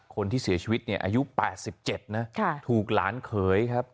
คนที่เสียชีวิตนี่อายุ๗๗ถูกล้านเคยครับ